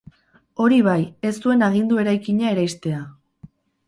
Hori bai, ez zuen agindu eraikina eraistea.